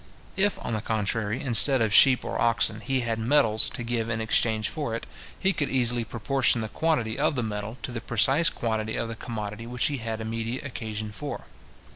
If, on the contrary, instead of sheep or oxen, he had metals to give in exchange for it, he could easily proportion the quantity of the metal to the precise quantity of the commodity which he had immediate occasion for.